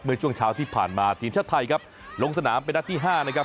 เมื่อช่วงเช้าที่ผ่านมาทีนชาติไทยลงสนามไปด้านที่๕นะครับ